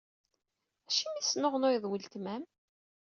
Acimi i tesnuɣnuyeḍ weltma-m?